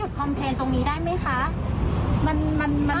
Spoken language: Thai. ลูกค้าตรงนี้คือเราทานการทานมาถูกไหมคะ